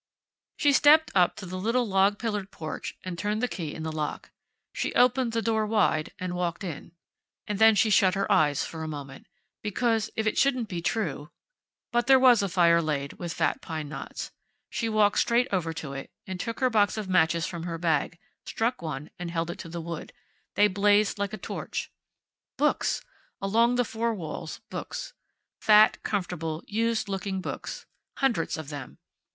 She stepped up to the little log pillared porch and turned the key in the lock. She opened the door wide, and walked in. And then she shut her eyes for a moment. Because, if it shouldn't be true But there was a fire laid with fat pine knots. She walked straight over to it, and took her box of matches from her bag, struck one, and held it to the wood. They blazed like a torch. Books! Along the four walls, books. Fat, comfortable, used looking books. Hundreds of them.